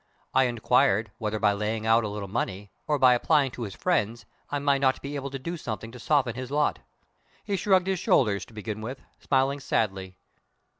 I inquired whether by laying out a little money, or by applying to my friends, I might not be able to do something to soften his lot. He shrugged his shoulders, to begin with, smiling sadly.